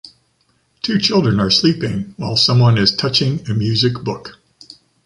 Two children are sleeping while someone is touching a music book.